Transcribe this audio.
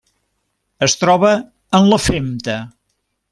Es troba en la femta.